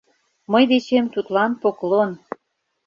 Мый дечем тудлан поклон».